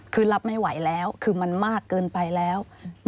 คือรับไม่ไหวแล้วคือมันมากเกินไปแล้ว